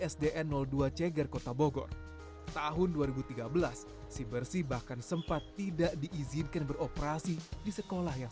sdn dua ceger kota bogor tahun dua ribu tiga belas si bersih bahkan sempat tidak diizinkan beroperasi di sekolah yang